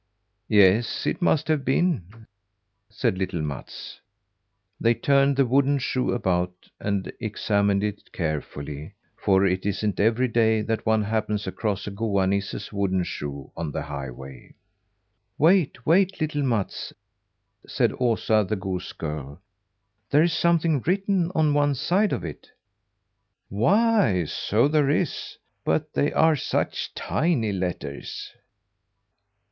"Yes, it must have been," said little Mats. They turned the wooden shoe about and examined it carefully for it isn't every day that one happens across a Goa Nisse's wooden shoe on the highway. "Wait, wait, little Mats!" said Osa, the goose girl. "There is something written on one side of it." "Why, so there is! but they are such tiny letters."